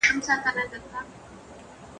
زه به اوږده موده د زده کړو تمرين کړی وم.